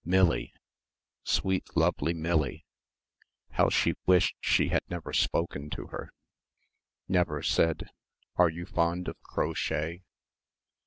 Millie ... sweet lovely Millie.... How she wished she had never spoken to her. Never said, "Are you fond of crochet?"